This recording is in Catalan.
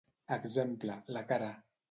Exemple: la cara.